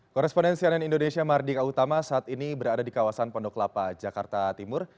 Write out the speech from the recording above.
korespondensi ann indonesia mardika utama saat ini berada di kawasan pondok lapa jakarta timur